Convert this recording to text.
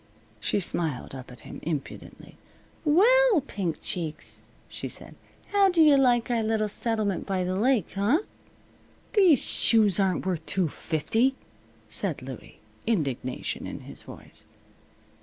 She smiled up at him, impudently. "Well, Pink Cheeks," she said, "how do you like our little settlement by the lake, huh?" "These shoes aren't worth two fifty," said Louie, indignation in his voice.